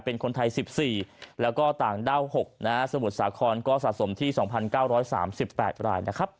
เป็นคนไทย๑๔แล้วก็ต่างด้าว๖นะฮะสมุทรสาครก็สะสมที่๒๙๓๘รายนะครับ